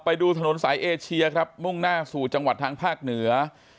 ไปดูถนนสายเอเชียครับมุ่งหน้าสู่จังหวัดทางภาคเหนือ